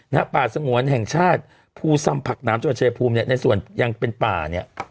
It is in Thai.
นะฮะป่าสงวนแห่งชาติภูซำผักน้ำจุดเชภภูมิเนี่ยในส่วนยังเป็นป่าเนี่ย